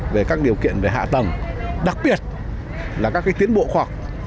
về các điều kiện về hạ tầng đặc biệt là các tiến bộ khoa học